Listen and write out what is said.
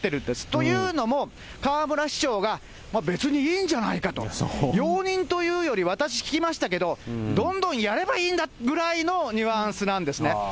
というのも、河村市長が別にいいんじゃないかと、容認というより、私聞きましたけど、どんどんやればいいんだぐらいのニュアンスなんですね。